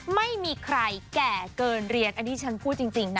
ไม่มีใครแก่เกินเรียนอันนี้ฉันพูดจริงนะ